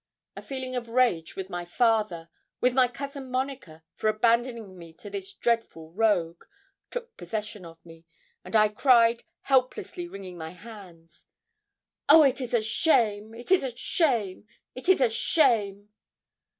A feeling of rage with my father, with my Cousin Monica, for abandoning me to this dreadful rogue, took possession of me, and I cried, helplessly wringing my hands 'Oh! it is a shame it is a shame it is a shame!'